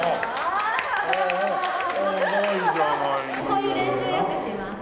こういう練習よくします。